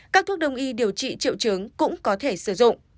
các thuốc đông y điều trị triệu chứng cũng có thể sử dụng